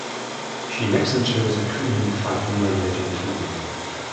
She next entered the Kunlun Fight Mulan Legend Tournament.